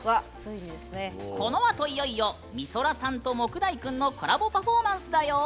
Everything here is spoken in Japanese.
このあといよいよみそらさんと杢代君のコラボパフォーマンスだよ！